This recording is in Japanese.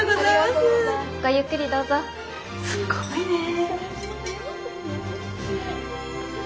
すごいね。